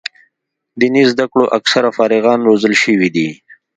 دیني زده کړو اکثره فارغان روزل شوي دي.